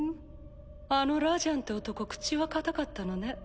あのラジャンって男口は堅かったのね。